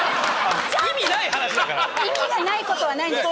意味がないことはないんですよ！